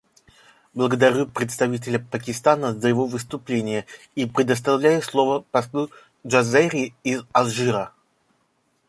Благодарю представителя Пакистана за его выступление и предоставляю слово послу Джазайри из Алжира.